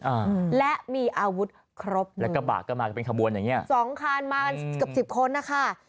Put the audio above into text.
อ่าและมีอาวุธครบแล้วกระบะก็มากันเป็นขบวนอย่างเงี้ยสองคันมากันเกือบสิบคนนะคะ